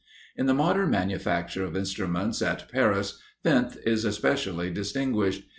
In the modern manufacture of instruments at Paris, Finth is specially distinguished.